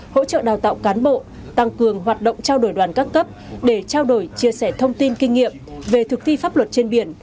hỗ trợ đào tạo cán bộ tăng cường hoạt động trao đổi đoàn các cấp để trao đổi chia sẻ thông tin kinh nghiệm về thực thi pháp luật trên biển